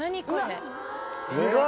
すごい！